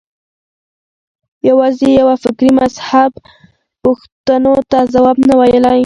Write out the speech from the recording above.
یوازې یوه فکري مذهب میراث پوښتنو ته ځواب نه ویلای